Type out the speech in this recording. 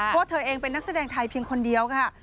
ว่าเธอเองเป็นนักแสดงไทยเพียงคนเดียวค่ะ